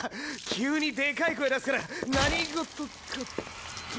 急にでかい声出すから何事かと。